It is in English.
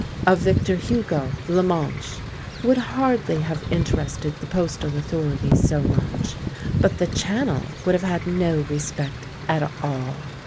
"A Victor Hugo, La Manche," would hardly have interested the postal authorities so much; but "the Channel" would have had no respect at all.